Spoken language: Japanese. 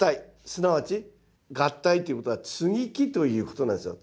すなわち合体ということは接ぎ木ということなんですよ。